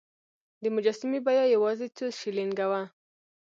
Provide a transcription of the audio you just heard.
د مجسمې بیه یوازې څو شیلینګه وه.